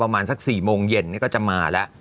๔โมงเย็นก็จะมาแล้ว